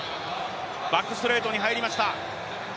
バックストレートに入りました。